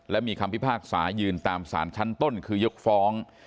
และมีคำพิพากษายืนตามสารชั้นต้นคือยกฟ้อง